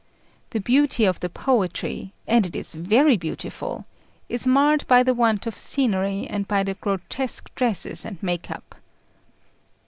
The beauty of the poetry and it is very beautiful is marred by the want of scenery and by the grotesque dresses and make up.